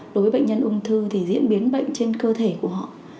đối với bệnh nhân ung thư thì diễn biến bệnh trên cơ thể của họ